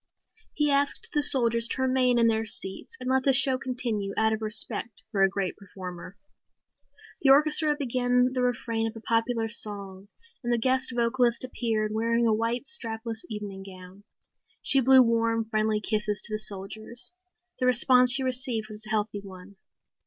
He asked the soldiers to remain in their seats and let the show continue out of respect for a great performer. The orchestra began the refrain of a popular song and the guest vocalist appeared wearing a white strapless evening gown. She blew warm, friendly kisses to the soldiers. The response she received was a healthy one.